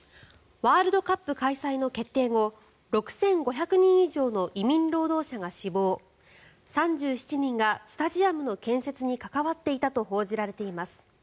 ワールドカップ開催の決定後６５００人以上の移民労働者が死亡３７人がスタジアムの建設に関わっていたと報じられています。